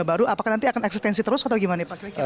apakah nanti akan eksistensi terus atau bagaimana pak krekil